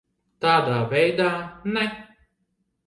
Tādā veidā ne.